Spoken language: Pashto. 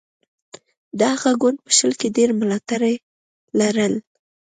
د هغه ګوند په شل کې ډېر ملاتړي لرل.